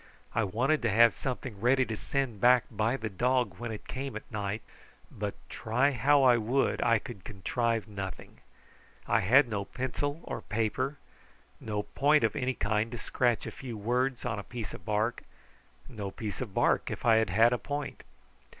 I wanted to have something ready to send back by the dog when it came at night, but try how I would I could contrive nothing. I had no paper or pencil; no point of any kind to scratch a few words on a piece of bark no piece of bark if I had had a point.